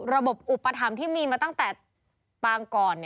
อุปถัมภ์ที่มีมาตั้งแต่ปางก่อน